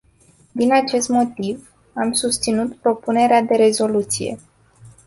Din acest motiv, am susținut propunerea de rezoluție.